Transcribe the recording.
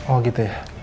oh gitu ya